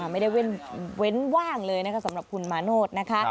ไม่ได้เว้นว่างเลยสำหรับคุณมาโน้ต